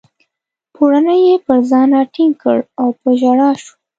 پوړنی یې پر ځان راټینګ کړ او په ژړا شوه.